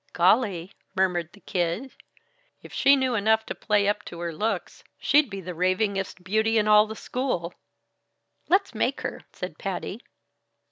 "Golly!" murmured the Kid. "If she knew enough to play up to her looks, she'd be the ravingest beauty in all the school." "Let's make her!" said Patty.